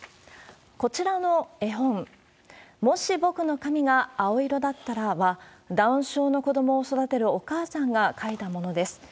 こちらの絵本、もし僕の髪が青色だったらは、ダウン症の子どもを育てるお母さんが描いたものです。